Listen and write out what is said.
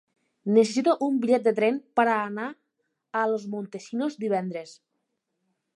Necessito un bitllet de tren per anar a Los Montesinos divendres.